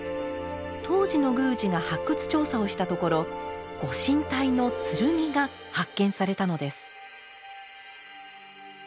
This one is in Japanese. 当時の宮司が発掘調査をしたところご神体の剣が発見されたのです！